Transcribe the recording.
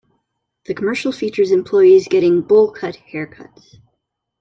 The commercial features employees getting "bowl cut" haircuts.